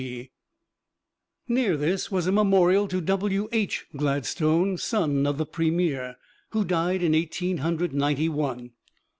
G." Near this was a memorial to W.H. Gladstone, son of the Premier, who died in Eighteen Hundred Ninety one.